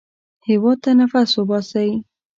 هېواد ته نفس وباسئ